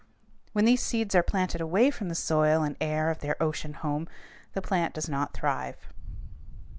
When these seeds are planted away from the soil and air of their ocean home, the plant does not thrive.